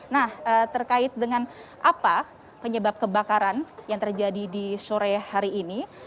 nah terkait dengan apa penyebab kebakaran yang terjadi di sore hari ini